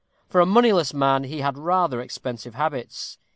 For a moneyless man, he had rather expensive habits.